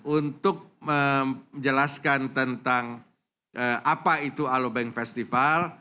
untuk menjelaskan tentang apa itu alobank festival